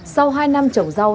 sau hai năm trồng rau